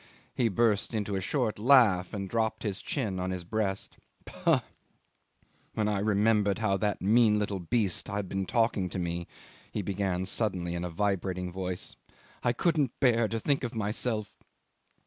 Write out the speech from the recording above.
He burst into a short laugh, and dropped his chin on his breast. "Pah! When I remembered how that mean little beast had been talking to me," he began suddenly in a vibrating voice, "I couldn't bear to think of myself